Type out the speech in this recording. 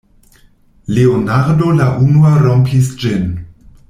Leonardo la unua rompis ĝin: